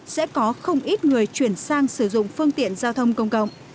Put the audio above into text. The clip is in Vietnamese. sẽ có không ít người chuyển sang sử dụng phương tiện giao thông công cộng